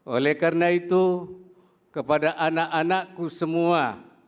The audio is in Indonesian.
oleh karena itu kepada anak anakku semua